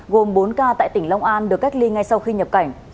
gồm bốn ca tại tỉnh long an được cách ly ngay sau khi nhập cảnh